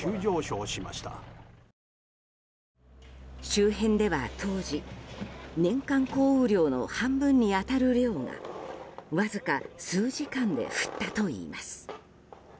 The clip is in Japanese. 周辺では当時年間降雨量の半分に当たる量がわずか数時間で降ったといいます。